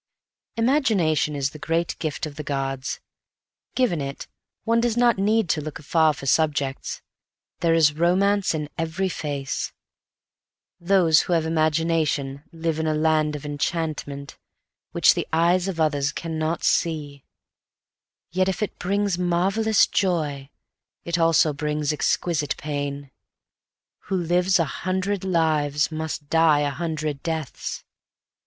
Imagination is the great gift of the gods. Given it, one does not need to look afar for subjects. There is romance in every face. Those who have Imagination live in a land of enchantment which the eyes of others cannot see. Yet if it brings marvelous joy it also brings exquisite pain. Who lives a hundred lives must die a hundred deaths.